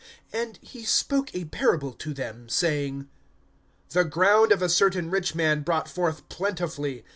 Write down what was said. (16)And he spoke a parable to them, saying: The ground of a certain rich man brought forth plentifully.